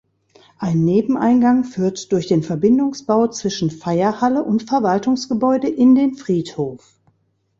Ein Nebeneingang führt durch den Verbindungsbau zwischen Feierhalle und Verwaltungsgebäude in den Friedhof.